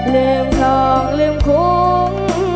ลืมคลองลืมคุ้ง